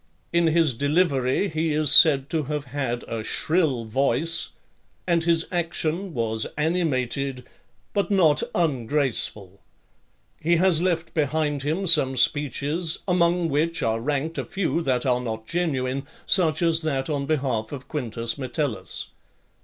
In his delivery he is said to have had a shrill voice, and his action was animated, but not ungraceful. He has left behind him some speeches, among which are ranked a few that are not genuine, such as that on behalf of Quintus Metellus.